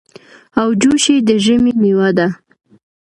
اوجوشي د ژمي مېوه ده.